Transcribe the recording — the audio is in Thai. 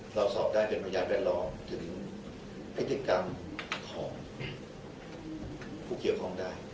เราสอบได้เป็นประยะแบบรองถึงพฤติกรรมของผู้เกี่ยวข้องได้